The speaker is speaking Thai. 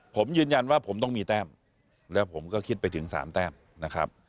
ผมยืนยันว่าผมต้องมีแต้มแล้วผมก็คิดไปถึง๓แต้มนะครับ